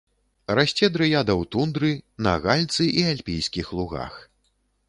Расце дрыяда ў тундры, на гальцы і альпійскіх лугах.